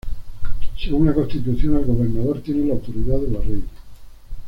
Según la Constitución el gobernador tiene la autoridad de la Reina.